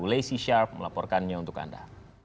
lacey sharp melaporkannya untuk anda